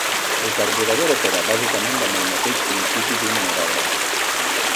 El carburador opera bàsicament amb el mateix principi d'un aerògraf.